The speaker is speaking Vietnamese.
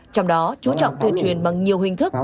trong đó chú trọng tuyên truyền bằng nhiều hình thức